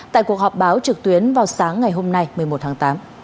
tại cuộc họp báo trực tuyến vào sáng ngày hôm nay một mươi một tháng tám